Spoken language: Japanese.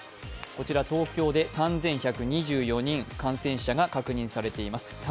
こちら東京で３１２４人、感染者が確認されています。